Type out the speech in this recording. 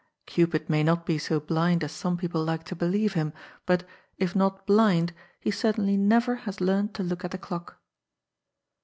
Cupid may not be so blind as some people like to believe him, but, if not blind, he certainly never has learnt to look at the clock.